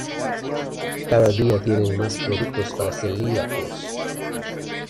Cada día tienen más productos para celíacos.